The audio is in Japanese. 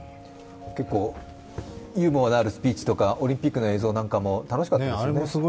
結構ユーモアのあるスピーチとか、オリンピックの映像なんかも楽しかったですよね。